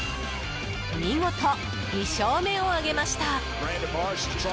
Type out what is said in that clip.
見事、２勝目を挙げました。